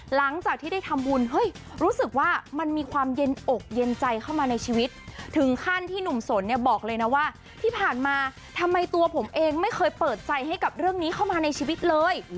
หลังจากที่ได้ทำบุญเฮ้ยรู้สึกว่ามันมีความเย็นอกเย็นใจเข้ามาในชีวิตถึงขั้นที่หนุ่มสนเนี่ยบอกเลยนะว่าที่ผ่านมาทำไมตัวผมเองไม่เคยเปิดใจให้กับเรื่องนี้เข้ามาในชีวิตเลย